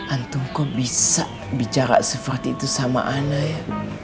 antum kok bisa bicara seperti itu sama ana ya